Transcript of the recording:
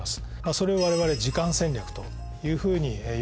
それをわれわれ「時間戦略」というふうに呼んでですね